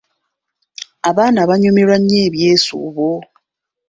Abaana banyumirwa nnyo ebyesuubo.